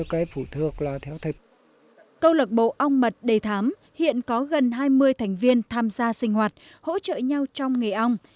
câu lạc bộ ong mật đề thám hiện có gần hai mươi thành viên tham gia sinh hoạt hỗ trợ nhau trong nghề ong